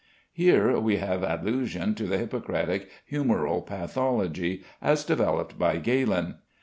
Here we have allusion to the Hippocratic humoral pathology as developed by Galen.